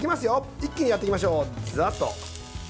一気にやっていきましょう。